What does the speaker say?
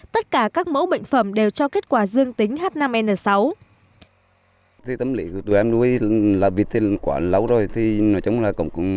tất cả các mẫu bệnh phẩm đều cho kết quả dương tính h năm n sáu